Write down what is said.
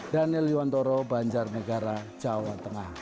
daniel yuwantoro banjar megara jawa tengah